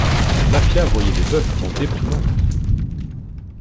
La mafia voyait des bœufs en déprimant!